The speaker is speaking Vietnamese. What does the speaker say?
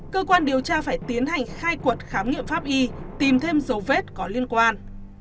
cơ quan điều tra phải tiến hành khai quật khám nghiệm pháp y tìm thêm dấu vết có liên quan